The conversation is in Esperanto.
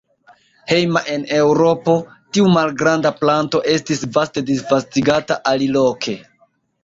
Hejma en Eŭropo, tiu malgranda planto estis vaste disvastigata aliloke.